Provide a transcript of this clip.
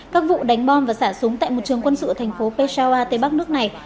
các vụ đánh bom và sả súng tại một trường quân sự thành phố peshawar tây bắc nước này